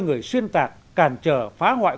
người xuyên tạc cản trở phá hoại